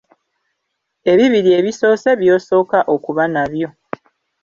Ebibiri ebisoose by'osooka okuba nabyo.